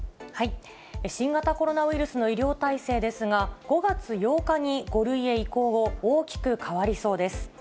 新型コロナウイルスの医療体制ですが、５月８日に５類へ移行後、大きく変わりそうです。